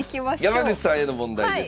山口さんへの問題です。